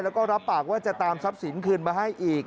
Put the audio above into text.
แล้วก็รับปากว่าจะตามทรัพย์สินคืนมาให้อีก